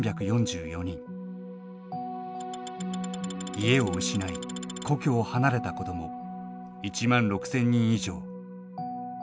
家を失い故郷を離れた子ども１万６，０００人以上。